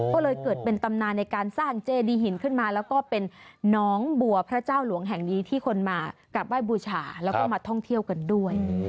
ก็เลยเกิดเป็นตำนานในการสร้างเจดีหินขึ้นมาแล้วก็เป็นน้องบัวพระเจ้าหลวงแห่งนี้ที่คนมากราบไหว้บูชาแล้วก็มาท่องเที่ยวกันด้วย